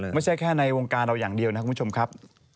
ไม่ใช่แค่ในวงการเราอย่างเดียวนะครับคุณผู้ชมครับ